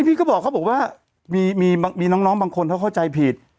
พี่ก็บอกเขาบอกว่ามีน้องบางคนเขาเข้าใจผิด